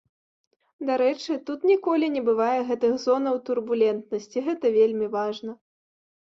Дарэчы, тут ніколі не бывае гэтых зонаў турбулентнасці, гэта вельмі важна.